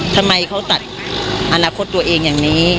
ทำไมเขาตัดอนาคตตัวเองอย่างนี้